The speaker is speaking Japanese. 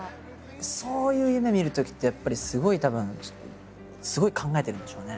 そういう夢見るときってやっぱりすごいたぶんすごい考えてるんでしょうね。